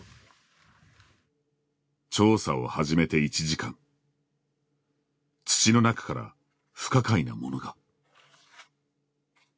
調査を始めて１時間土の中から不可解なものが。